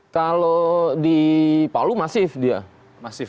kalau di palu masif dia